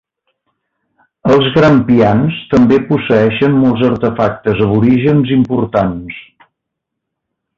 Els Grampians també posseeixen molts artefactes aborígens importants.